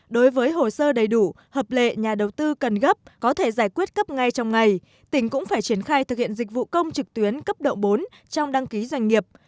đối với hồ sơ đầy đủ hợp lệ nhà đầu tư cần gấp có thể giải quyết cấp ngay trong ngày tỉnh cũng phải triển khai thực hiện dịch vụ công trực tuyến cấp độ bốn trong đăng ký doanh nghiệp